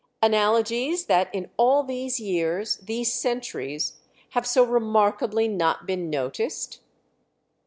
"Analogies that in all these years, these centuries, have so remarkably not been noticed?"